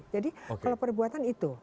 jadi kalau perbuatan itu